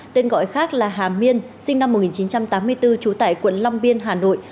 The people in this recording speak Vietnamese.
tên gọi khác là hà miên sinh năm một nghìn chín trăm tám mươi bốn trú tại quận long biên hà nội